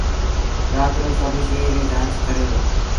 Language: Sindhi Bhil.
رآت رو سڀ شئيٚن ريٚ جآݩچ ڪري دو۔